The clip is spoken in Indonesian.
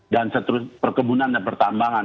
dan seterusnya perkebunan dan pertambangan